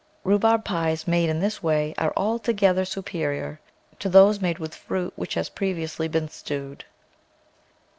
Rhubarb pies made in this way are altogether superior to those made with fruit which has previously been stewed.